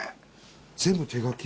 全部手描き？